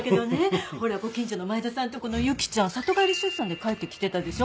ほらご近所の前田さんとこの由紀ちゃん里帰り出産で帰ってきてたでしょ。